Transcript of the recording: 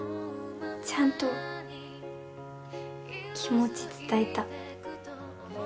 ちゃんと気持ち伝えた。